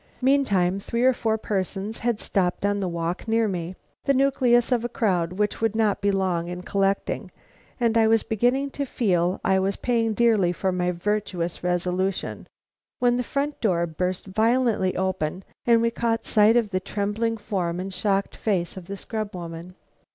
Meantime three or four persons had stopped on the walk near me, the nucleus of a crowd which would not be long in collecting, and I was beginning to feel I was paying dearly for my virtuous resolution, when the front door burst violently open and we caught sight of the trembling form and shocked face of the scrub woman.